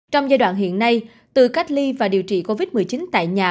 trong giai đoạn hiện nay từ cách ly và điều trị covid một mươi chín tại nhà